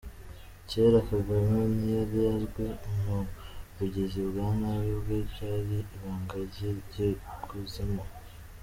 Cyera Kagame ntiyari azwi mu bugizi bwa nabi bwe byari ibanga rye ry’ikuzimu.